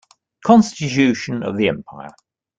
Constitution of the empire.